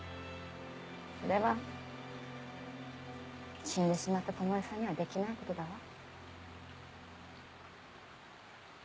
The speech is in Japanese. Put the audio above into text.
それは死んでしまった巴さんにはできないことだわ。